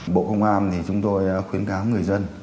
bộ công an chúng tôi khuyến cáo người dân